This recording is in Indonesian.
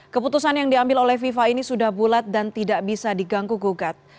keputusan yang diambil oleh fifa ini sudah bulat dan tidak bisa diganggu gugat